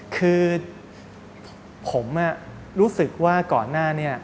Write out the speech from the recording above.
คือผมรู้สึกว่าก่อนหน้านี้